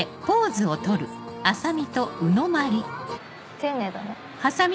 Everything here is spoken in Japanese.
丁寧だね。